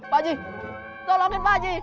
pak ji tolongin pak ji